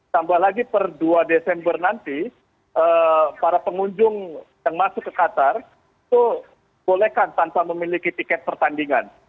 tambah lagi per dua desember nanti para pengunjung yang masuk ke qatar itu bolehkan tanpa memiliki tiket pertandingan